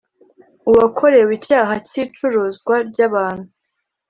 Uwakorewe icyaha cy icuruzwa ry abantu